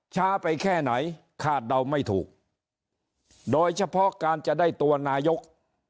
ช้าไปแค่ไหนคาดเดาไม่ถูกโดยเฉพาะการจะได้ตัวนายก